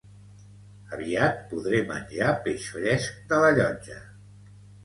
Aviat podré menjar peix fresc de la llotja